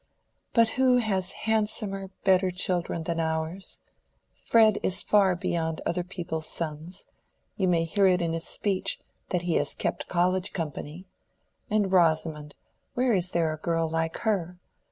"But who has handsomer, better children than ours? Fred is far beyond other people's sons: you may hear it in his speech, that he has kept college company. And Rosamond—where is there a girl like her?